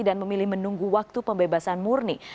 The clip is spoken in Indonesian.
dan memilih menunggu waktu pembebasan murni